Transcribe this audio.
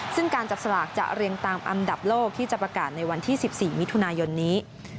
ซึ่งการจับสลากจะเรียงตามอันดับโลกที่จะประกาศในวันที่๑๔มิถุนายนนี้